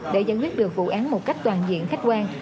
để giải quyết được vụ án một cách toàn diện khách quan